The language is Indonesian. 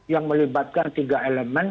yang melibatkan tiga elemen